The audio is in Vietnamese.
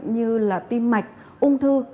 như là tim mạch ung thư